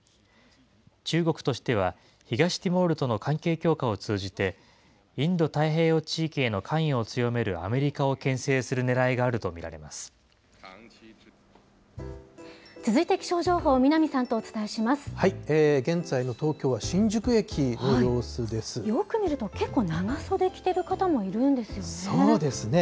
中国としては、東ティモールとの関係強化を通じて、インド太平洋地域への関与を強めるアメリカをけん制するねらいが続いて気象情報、南さんとお現在の東京は、新宿駅の様子よく見ると、結構、長袖着てそうですね。